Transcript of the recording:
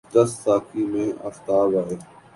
دست ساقی میں آفتاب آئے